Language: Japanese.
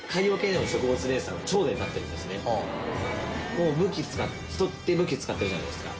もう武器使って人って武器使ってるじゃないですか。